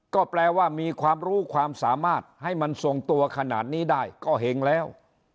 ก็แปลว่ามีความรู้ความสามารถให้มันทรงตัวขนาดนี้ได้ก็เห็งแล้ว